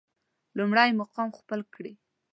لومړی مقام خپل کړي.